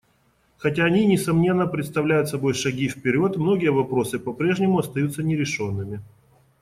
Хотя они, несомненно, представляют собой шаги вперед, многие вопросы по-прежнему остаются нерешенными.